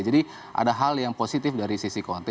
jadi ada hal yang positif dari sisi conte